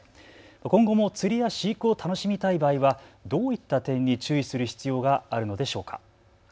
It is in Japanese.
今後も釣りや飼育を楽しみたい場合はどういった点に注意する必要があるのでしょうか。